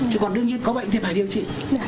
còn đương nhiên có bệnh thì phải điều trị